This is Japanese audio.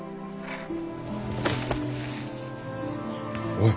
おい。